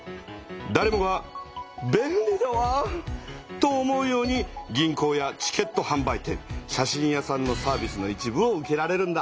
だれもが「便利だわ」と思うように銀行やチケットはん売店写真屋さんのサービスの一部を受けられるんだ。